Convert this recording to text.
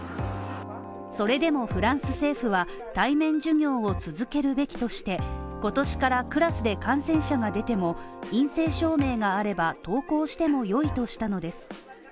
それでもフランス政府は対面授業を続けるべきとして、今年からクラスで感染者が出ても陰性証明があれば、登校しても良いとしたのです。